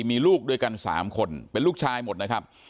มีลูกด้วยกัน๓คนเป็นลูกชายหมดนะครับ